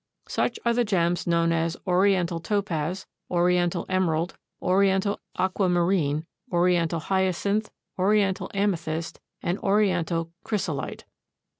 Such are the gems known as Oriental topaz, Oriental emerald, Oriental aquamarine, Oriental hyacinth, Oriental amethyst and Oriental chrysolite.